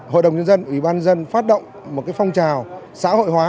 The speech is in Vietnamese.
hội đồng nhân dân ủy ban dân phát động một phong trào xã hội hóa